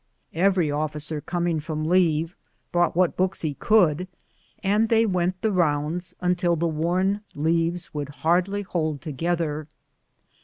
Every officer coming from leave, brought what books he could, and they went the rounds until the worn leaves would hardly hold to gether.